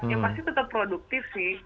yang pasti tetap produktif sih